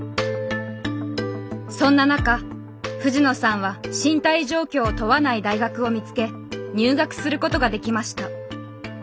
そんな中藤野さんは身体状況を問わない大学を見つけ入学することができました。